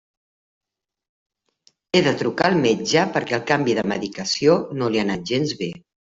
He de trucar al metge perquè el canvi de medicació no li ha anat gens bé.